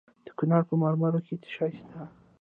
د کونړ په مروره کې څه شی شته؟